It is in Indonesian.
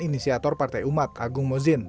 inisiator partai umat agung mozzin